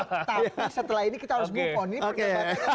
tapi setelah ini kita harus move on